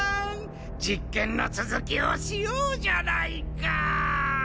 実験の続きをしようじゃないか！